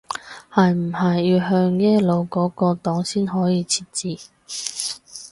係唔係要向耶魯嗰個檔先可以設置